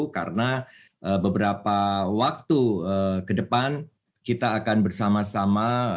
karena beberapa waktu ke depan kita akan bersama sama